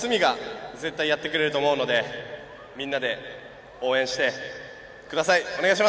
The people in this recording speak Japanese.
あしたスミが絶対やってくれると思うのでみんなで応援してください！